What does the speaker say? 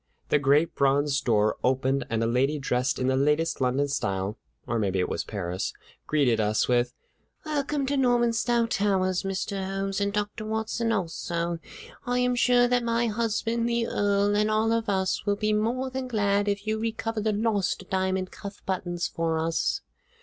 The great bronze door opened, and a lady dressed in the latest London style (or maybe it was Paris) greeted us with: "Welcome to Normanstow Towers, Mr. Holmes, and Dr. Watson, also. I am sure that my husband the Earl and all of us will be more than glad if you recover the lost diamond cuff buttons for us."